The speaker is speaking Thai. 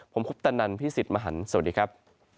ผมคุปตะนันพี่สิทธิ์มหันฯสวัสดีครับ